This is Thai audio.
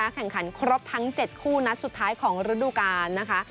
แข่งขันครบทั้ง๗คู่นัดสุดท้ายของฤดูกาลนะคะ